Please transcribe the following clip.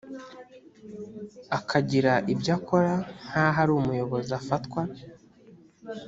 akagira ibyo akora nk aho ari umuyobozi afatwa